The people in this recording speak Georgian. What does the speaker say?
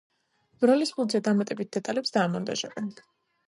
ბროლის ბურთზე დამატებით დეტალებს დაამონტაჟებენ.